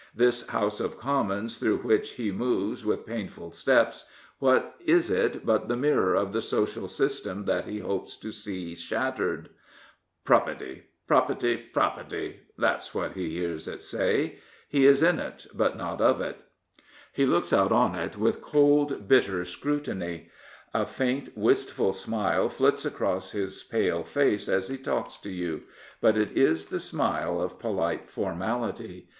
This House of Commons through which he moves with painful steps, what is it but the mirror of the social system that he hopes to see shattered? "Propputty, propputty, propputty "— that's what he hears it say. He is in it, but not of it. He looks out on it with cold, bitter scrutiny. A faint, wistful smile flits across his pale face as he talks to you; 278 Philip Snowden but it is the smile of polite formality.